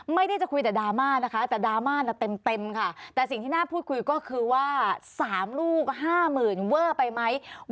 ไม่ได้จะคุยแต่ดามาแต่ดามาเต็มค่ะแต่สิ่งที่น่าพูดคุยก็คือว่า